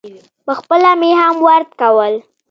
پخپله مې هم ورد کول.